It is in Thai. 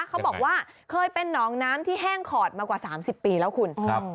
เขาบอกว่าเคยเป็นน้องน้ำที่แห้งขอดมากว่า๓๐ปีแล้วคุณ